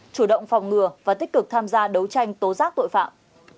chủ động phòng ngừa và tích cực tham gia đấu tranh tố giác tội phạm